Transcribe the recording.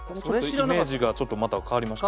イメージがちょっとまた変わりました。